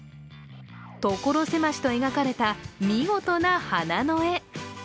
所狭しと描かれた見事な花の絵。